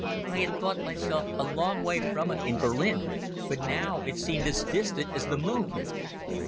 I had thought myself a long way from it in Berlin, but now it seemed as distant as the moon.